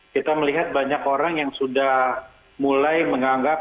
kita melihat banyak orang yang sudah mulai menganggap